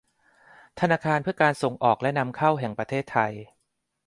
ธนาคารเพื่อการส่งออกและนำเข้าแห่งประเทศไทย